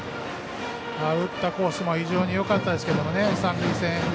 打ったコースも非常によかったですけど。